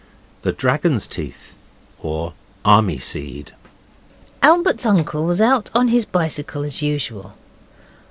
THE DRAGON'S TEETH; OR, ARMY SEED Albert's uncle was out on his bicycle as usual.